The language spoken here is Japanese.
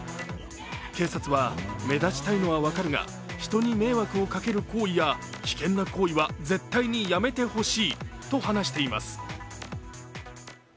警察は、目立ちたいのは分かるが人に迷惑をかける行為や危険な行為は絶対にやめてほしいと話しています。